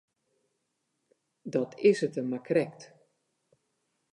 Dat is it him mar krekt.